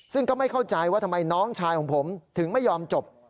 ซึ่งก็ไม่เข้าใจว่าทำไมน้องชายของผมถึงไม่ยอมจบ